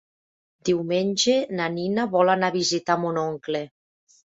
Diumenge na Nina vol anar a visitar mon oncle.